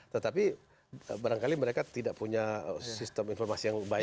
tetapi barangkali mereka tidak punya sistem informasi yang baik